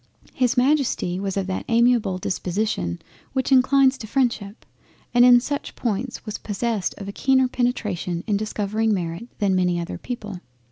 —His Majesty was of that amiable disposition which inclines to Freindship, and in such points was possessed of a keener penetration in discovering Merit than many other people.